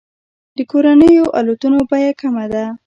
د کورنیو الوتنو بیه کمه ده.